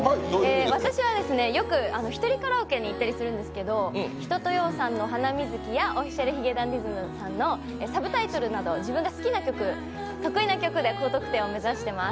私はよく一人カラオケに行ったりするんですけど一青窈さんの「ハナミズキ」やＯｆｆｉｃｉａｌ髭男ｄｉｓｍさんの「Ｓｕｂｔｉｔｌｅ」などの自分の好きな曲、得意な曲で高得点を目指してます。